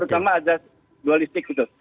terutama ada dualistik gitu